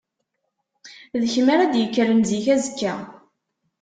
D kemm ara d-yekkren zik azekka.